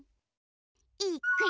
いっくよ！